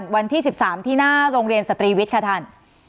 วันที่๑๓ที่หน้าโรงเรียนสตรีวิทย์ค่ะท่าน